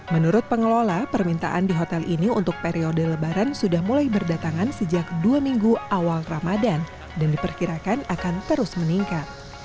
menurut pengelola permintaan di hotel ini untuk periode lebaran sudah mulai berdatangan sejak dua minggu awal ramadan dan diperkirakan akan terus meningkat